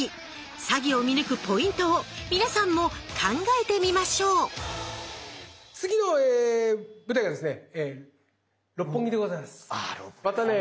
詐欺を見抜くポイントを皆さんも考えてみましょうまたオジさんですか。